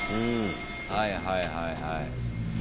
はいはいはいはい。